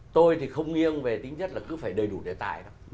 tôi thì không nghiêng về tính chất là cứ phải đầy đủ đề tài đâu